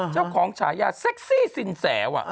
เจ้าของฉายาเซ็กซี่สินแสว่ะ